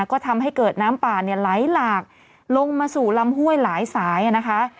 ก็ทำให้เกิดน้ำป่าเนี่ยไหลหลากลงมาสู่ลำห้วยหลายสายนะคะ